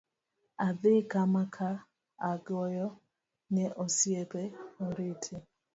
Adhi kama ka agoyo ne osiepe oriti.